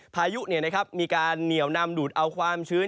พายุมีการเหนียวนำดูดเอาความชื้น